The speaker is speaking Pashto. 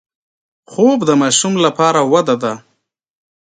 خوب د ماشوم لپاره وده ده